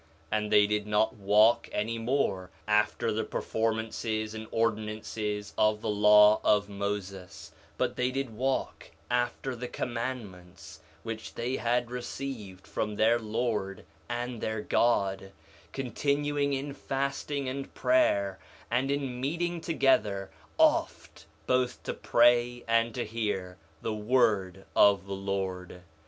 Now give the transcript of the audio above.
4 Nephi 1:12 And they did not walk any more after the performances and ordinances of the law of Moses; but they did walk after the commandments which they had received from their Lord and their God, continuing in fasting and prayer, and in meeting together oft both to pray and to hear the word of the Lord.